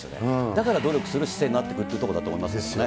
だから努力する姿勢になってくるというところだと思いますけどね。